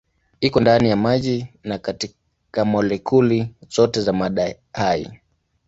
Iko ndani ya maji na katika molekuli zote za mada hai.